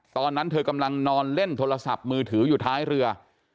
ตอนนั้นเธอกำลังนอนเล่นโทรศัพท์มือถืออยู่ท้ายเรือ